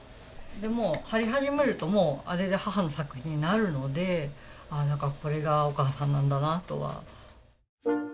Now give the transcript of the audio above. もう貼り始めるともうあれで母の作品になるのでこれがお母さんなんだなとは。